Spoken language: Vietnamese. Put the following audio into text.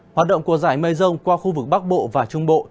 hoạt động của giải mây rông qua khu vực bắc bộ và trung bộ